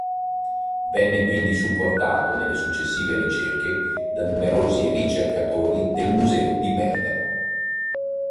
Venne quindi supportato nelle successive ricerche da numerosi ricercatori del museo di Bergamo.